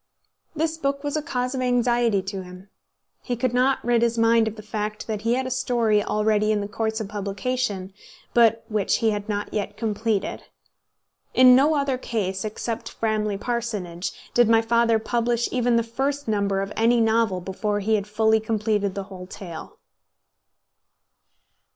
This book was a cause of anxiety to him. He could not rid his mind of the fact that he had a story already in the course of publication, but which he had not yet completed. In no other case, except Framley Parsonage, did my father publish even the first number of any novel before he had fully completed the whole tale.